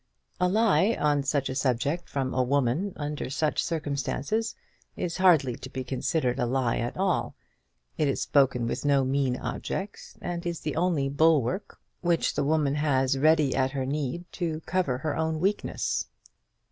A lie on such a subject from a woman under such circumstances is hardly to be considered a lie at all. It is spoken with no mean object, and is the only bulwark which the woman has ready at her need to cover her own weakness.